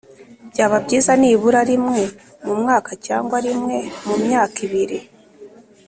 Byaba byiza nibura rimwe mu mwaka cyangwa rimwe mu myaka ibiri